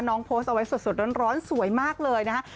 โพสต์เอาไว้สดร้อนสวยมากเลยนะฮะ